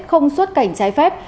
không xuất cảnh trái phép